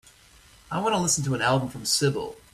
I want to listen to an album from Sibel.